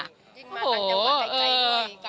ยิ่งมาทางจังหวัดไกลเลย